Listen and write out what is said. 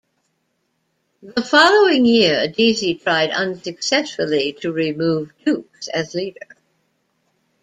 The following year Deasy tried unsuccessfully to remove Dukes as leader.